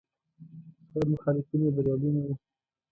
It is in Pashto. شاید مخالفین یې بریالي نه وو.